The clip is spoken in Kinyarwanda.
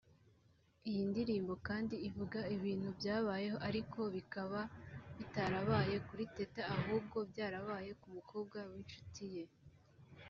Iyi ndirimbo kandi ivuga ibintu byabayeho ariko bikaba bitarabaye kuri Teta ahubwo byarabaye ku mukobwa w’inshuti ye